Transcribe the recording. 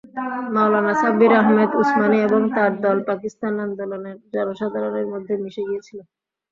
মাওলানা শাব্বির আহমেদ উসমানি এবং তার দল পাকিস্তান আন্দোলনের জনসাধারণের মধ্যে মিশে গিয়েছিলেন।